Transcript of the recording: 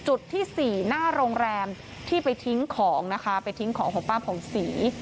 จุดที่สี่หน้าโรงแรมที่ไปทิ้งของนะคะไปทิ้งของของป้าผ่องศรี